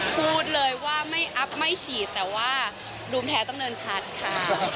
พูดเลยว่าไม่อัพไม่ฉีดแต่ว่าภูมิแพ้ต้องเนินชัดค่ะ